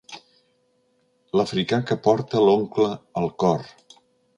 L'africà que porta l'oncle al cor.